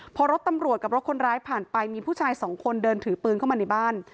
พอรถตำรวจกับรถคนร้ายผ่านไปมีผู้ชายสองคนเดินถือปืนเข้ามาในบ้าน